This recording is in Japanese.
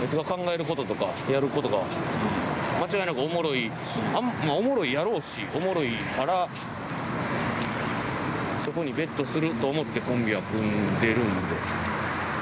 あいつが考えることとかやることが間違いなくおもろいおもろいやろうし、おもろいからそこにベットすると思ってコンビは組んでるんで。